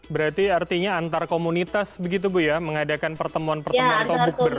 berarti artinya antar komunitas begitu bu ya mengadakan pertemuan pertemuan atau bukber